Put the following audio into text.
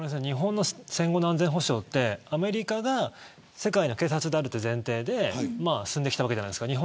日本の戦後の安全保障はアメリカが世界の警察であるという前提で進んできたわけじゃないですか。